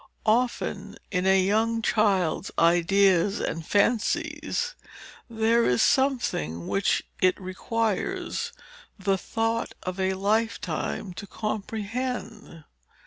Often, in a young child's ideas and fancies, there is something which it requires the thought of a lifetime to comprehend.